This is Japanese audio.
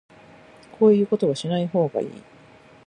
こういうことはしない方がいい